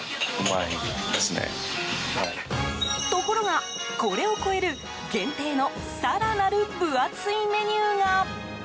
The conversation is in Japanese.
ところが、これを超える限定の更なる分厚いメニューが。